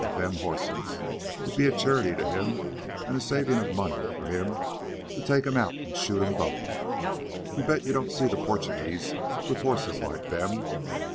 An' them horses. It'd be a charity to him, an' a savin' of money for him, to take 'em out an' shoot 'em both. You bet you don't see the Porchugeeze with horses like them.